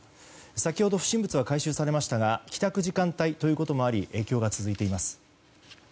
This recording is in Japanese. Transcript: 先ほど不審物は回収されましたが帰宅時間帯ということもあり影響が続いています。